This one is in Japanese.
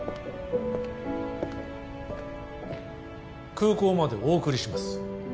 空港までお送りします